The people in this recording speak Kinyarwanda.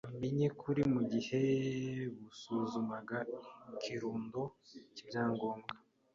Bamenye ukuri mugihe basuzumaga ikirundo cyibyangombwa.